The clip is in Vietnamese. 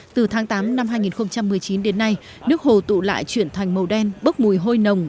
từ tháng tám năm hai nghìn một mươi chín đến nay nước hồ tụ lại chuyển thành màu đen bốc mùi hôi nồng